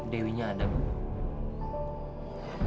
dewinya ada bu